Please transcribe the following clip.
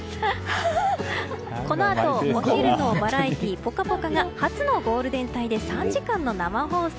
このあと、お昼のバラエティー「ぽかぽか」が初のゴールデン帯で３時間の生放送。